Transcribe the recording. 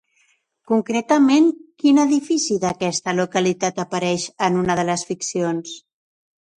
Concretament, quin edifici d'aquesta localitat apareix en una de les ficcions?